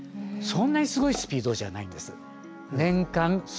そんなにすごいスピードじゃないんです。